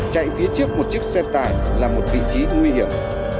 chạy phía trước một chiếc xe tải là một vị trí nguy hiểm